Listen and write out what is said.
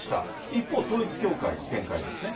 一方、統一教会の見解ですね。